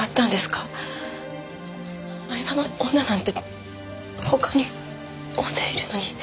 饗庭の女なんて他に大勢いるのに。